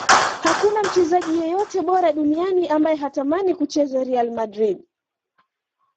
hakuna mchezaji yeyote bora duniani ambaye hatamani kucheza real madrid